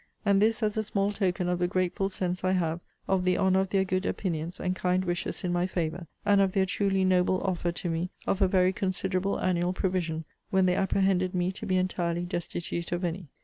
And this as a small token of the grateful sense I have of the honour of their good opinions and kind wishes in my favour; and of their truly noble offer to me of a very considerable annual provision, when they apprehended me to be entirely destitute of any.